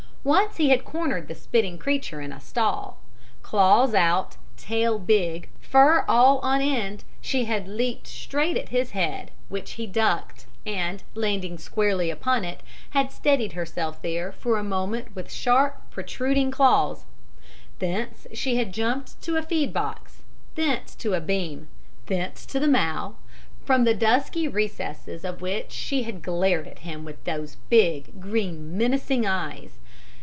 Once he had cornered the spitting creature in a stall. Claws out, tail big, fur all on end, she had leaped straight at his head, which he ducked, and, landing squarely upon it, had steadied herself there for a moment with sharp, protruding claws; thence she had jumped to a feed box, thence to a beam, thence to the mow, from the dusky recesses of which she had glared at him with big, green, menacing eyes.